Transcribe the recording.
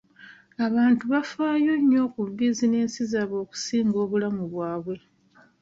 Abantu byafaayo nnyo ku bizinensi zaabwe okusinga obulamu bwabwe.